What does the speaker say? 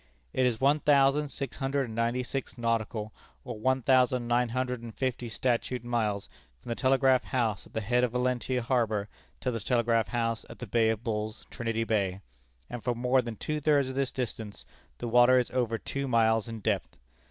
"It is one thousand six hundred and ninety six nautical, or one thousand nine hundred and fifty statute, miles from the Telegraph House at the head of Valentia harbor to the Telegraph House at the Bay of Bulls, Trinity Bay, and for more than two thirds of this distance the water is over two miles in depth.